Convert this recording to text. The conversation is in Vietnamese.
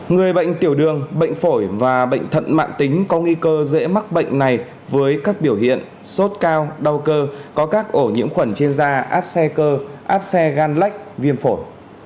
người bệnh tiểu đường bệnh phổi và bệnh thận mạng tính có nguy cơ dễ mắc bệnh này với các biểu hiện sốt cao đau cơ có các ổ nhiễm khuẩn trên da áp xe cơ áp xe gan lách viêm phổi